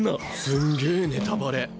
すんげぇネタバレ。